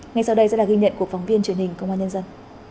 ngay sau đây sẽ là ghi nhận của phóng viên truyền hình công an nhân dân